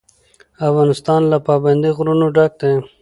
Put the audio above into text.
افغانستان له پابندی غرونه ډک دی.